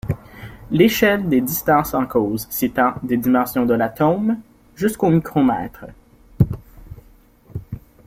L'échelle des distances en cause s'étend des dimensions de l'atome jusqu'au micromètre.